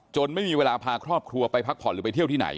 ไม่มีเวลาพาครอบครัวไปพักผ่อนหรือไปเที่ยวที่ไหน